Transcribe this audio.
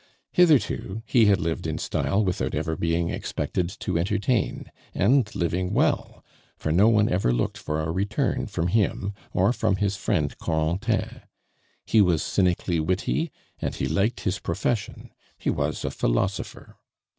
Hitherto, he had lived in style without ever being expected to entertain; and living well, for no one ever looked for a return from him, or from his friend Corentin. He was cynically witty, and he liked his profession; he was a philosopher.